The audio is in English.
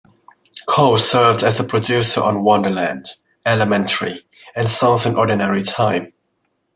Coles served as a producer on "Wonderland", "Elementary", and "Songs in Ordinary Time".